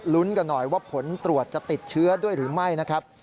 กันหน่อยว่าผลตรวจจะติดเชื้อด้วยหรือไม่นะครับ